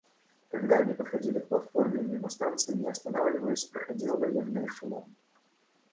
Когда они подходили к платформе, мимо станции, не останавливаясь, проходил военный эшелон.